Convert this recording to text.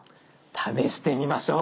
試してみましょう。